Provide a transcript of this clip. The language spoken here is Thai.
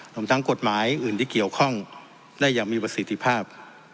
รวมทั้งกฎหมายอื่นที่เกี่ยวข้องได้อย่างมีประสิทธิภาพ